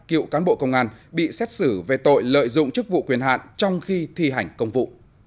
cựu cán bộ công an bị xét xử về tội lợi dụng chức vụ quyền hạn trong khi thi hành công vụ